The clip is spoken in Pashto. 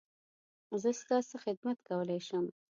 زه ستا څه خدمت کولی شم؟